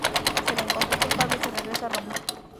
Se le encontró culpable a su regreso a Roma.